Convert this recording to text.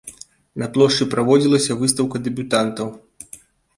На плошчы праводзілася выстаўка дэбютантаў.